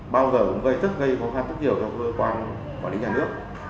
bao giờ cũng gây rất gây khó khăn rất nhiều theo cơ quan quản lý nhà nước